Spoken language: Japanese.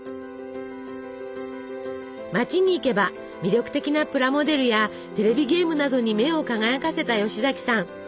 街に行けば魅力的なプラモデルやテレビゲームなどに目を輝かせた吉崎さん。